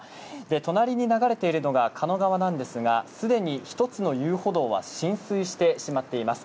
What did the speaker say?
隣に流れているのが、川なんですが、すでに１つの遊歩道は浸水してしまっています。